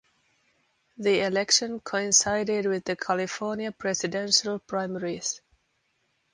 The election coincided with the California presidential primaries.